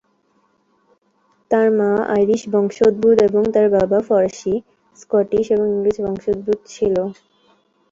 তার মা আইরিশ বংশোদ্ভূত এবং তার বাবা ফরাসি, স্কটিশ এবং ইংরেজ বংশোদ্ভূত ছিল।